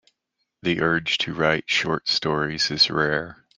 The urge to write short stories is rare.